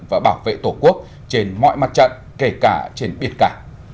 và bảo vệ tổ quốc trên mọi mặt trận kể cả trên biển cả